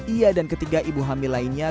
ia dan ketiga ibu hamil lainnya